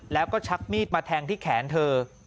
แล้วก็ชักมีดมาแทงที่แขนเธอ